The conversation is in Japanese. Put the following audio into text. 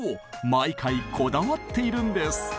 毎回こだわっているんです！